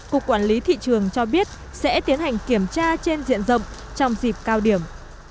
cục quản lý thị trường cho biết sẽ tiến hành kiểm tra trên diện rộng trong dịp cao điểm